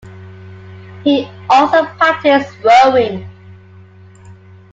He also practiced rowing.